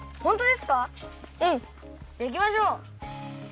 じゃいきましょう！